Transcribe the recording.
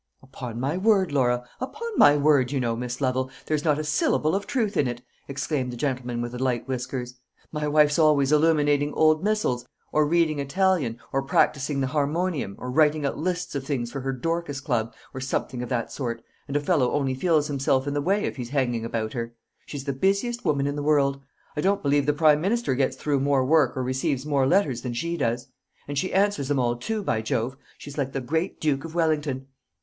"Upon my word, Laura upon my word, you know, Miss Lovel, there's not a syllable of truth in it," exclaimed the gentleman with the light whiskers. "My wife's always illuminating old Missals, or rending Italian, or practising the harmonium, or writing out lists of things for her Dorcas club, or something of that sort; and a fellow only feels himself in the way if he's hanging about her. She's the busiest woman in the world. I don't believe the prime minister gets through more work or receives more letters than she does. And she answers 'em all too, by Jove; she's like the great Duke of Wellington."